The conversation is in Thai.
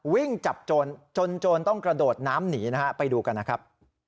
วิ่งจับโจรจนโจรต้องกระโดดน้ำหนีนะฮะไปดูกันนะครับ